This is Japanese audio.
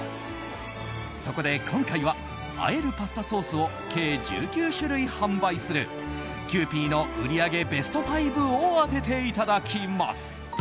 そこで今回はあえるパスタソースを計１９種類販売するキユーピーの売り上げベスト５を当てていただきます。